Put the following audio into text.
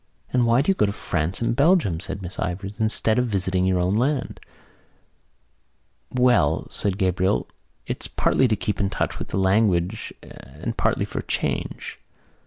"And why do you go to France and Belgium," said Miss Ivors, "instead of visiting your own land?" "Well," said Gabriel, "it's partly to keep in touch with the languages and partly for a change."